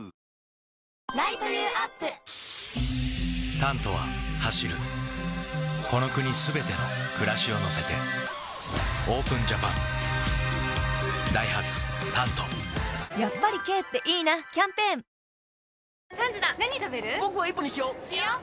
「タント」は走るこの国すべての暮らしを乗せてＯＰＥＮＪＡＰＡＮダイハツ「タント」やっぱり軽っていいなキャンペーンベイクド！